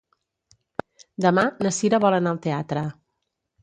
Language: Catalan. Demà na Sira vol anar al teatre.